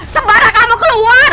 sembara kamu keluar